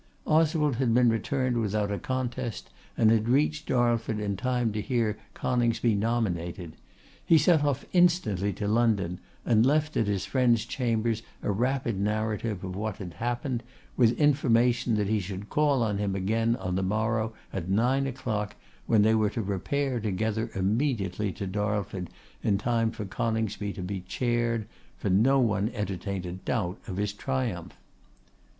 Oswald had been returned without a contest, and had reached Darlford in time to hear Coningsby nominated. He set off instantly to London, and left at his friend's chambers a rapid narrative of what had happened, with information that he should call on him again on the morrow at nine o'clock, when they were to repair together immediately to Darlford in time for Coningsby to be chaired, for no one entertained a doubt of his triumph.